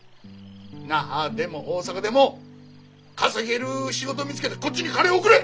那覇でも大阪でも稼げる仕事を見つけてこっちに金を送れ！